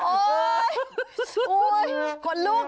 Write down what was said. โอ๊ยโอ๊ยขนลุก